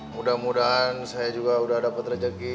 mudah mudahan saya juga sudah dapat rezeki